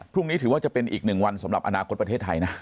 ถือว่าจะเป็นอีกหนึ่งวันสำหรับอนาคตประเทศไทยนะ